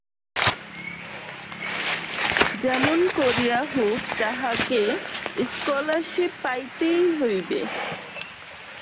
যেমন করিয়া হউক তাহাকে স্কলারশিপ পাইতেই হইবে।